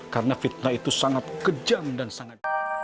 karena fitnah itu sangat kejam dan sangat